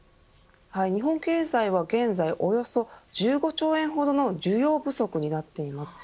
日本経済は現在およそ１５兆円ほどの需要不足になっています。